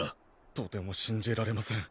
とても信じられません。